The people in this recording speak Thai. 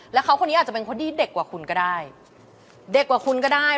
แล้วเขาคนนี้อาจจะเป็นคนที่เด็กกว่าคุณก็ได้